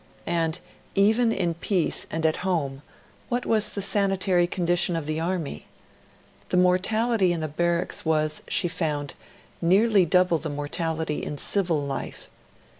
And, even in peace and at home, what was the sanitary condition of the Army? The mortality in the barracks was, she found, nearly double the mortality in civil life.